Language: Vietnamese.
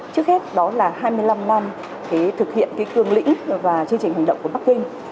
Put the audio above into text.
trước hết đó là hai mươi năm năm thực hiện cương lĩnh và chương trình hành động của bắc kinh